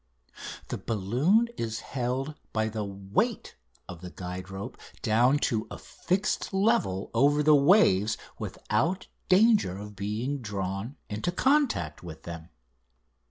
The balloon is held by the weight of the guide rope down to a fixed level over the waves without danger of being drawn into contact with them.